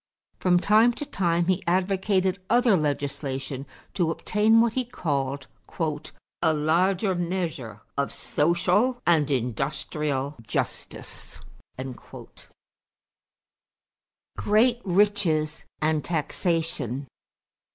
From time to time he advocated other legislation to obtain what he called "a larger measure of social and industrial justice." =Great Riches and Taxation.